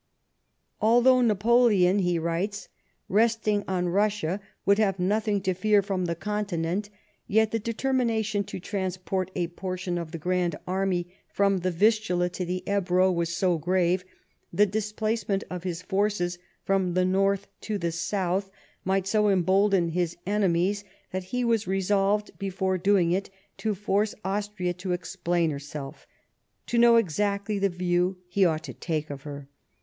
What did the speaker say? " Although Napoleon," he writes,* " resting on Russia, would have nothing to fear from the Continent, yet the determ.ination to transport a portion of the grand army from the Vistula to the Ebro was so grave ; the displace ment of his forces from the north to the south might so embolden his enemies, that he was resolved, before doing it, to force Austria to explain herself, to know exactly the view he ought to take of her.